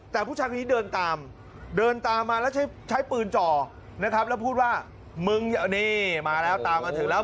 แต่ผู้ชายคนนี้เดินตามเดินตามมาแล้วใช้ปืนจ่อนะครับแล้วพูดว่ามึงนี่มาแล้วตามมาถึงแล้ว